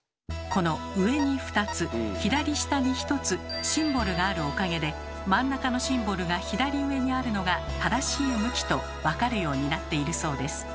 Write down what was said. この上に２つ左下に１つシンボルがあるおかげで真ん中のシンボルが左上にあるのが正しい向きと分かるようになっているそうです。